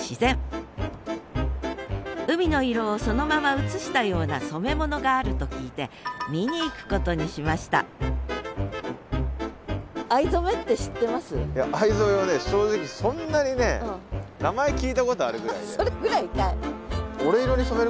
海の色をそのまま映したような染め物があると聞いて見に行くことにしました藍染めは正直そんなにね名前聞いたことあるぐらいで。